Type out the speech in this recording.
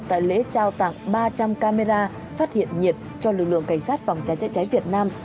tại lễ trao tặng ba trăm linh camera phát hiện nhiệt cho lực lượng cảnh sát phòng cháy chữa cháy việt nam